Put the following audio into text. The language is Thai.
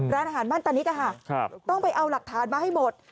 ร้านอาหารบ้านตานิดต้องไปเอาหลักฐานมาให้หมด